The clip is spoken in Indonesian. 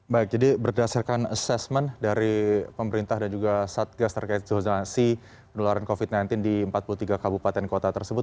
baik jadi berdasarkan asesmen dari pemerintah dan juga satgas terkait zonasi penularan covid sembilan belas di empat puluh tiga kabupaten kota tersebut